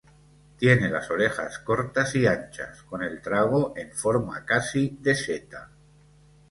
Tiene las orejas cortas y anchas, con el trago en forma casi de seta.